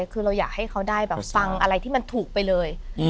คือเราอยากให้เขาได้แบบฟังอะไรที่มันถูกไปเลย